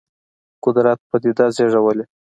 قدرت پدیده زېږولې.